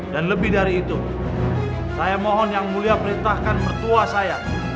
dan lebih dari itu saya mohon yang mulia perintahkan mertua saya